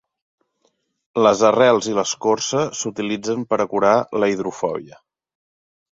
Les arrels i l'escorça s'utilitzen per a curar la hidrofòbia.